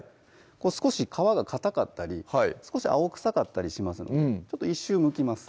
少し皮がかたかったり少し青臭かったりしますので１周むきます